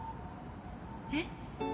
えっ？